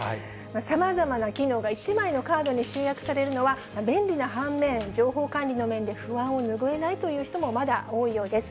さまざまな機能が１枚のカードに集約されるのは、便利な反面、情報管理の面で不安を拭えないという人もまだ多いようです。